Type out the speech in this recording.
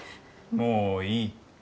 もういい。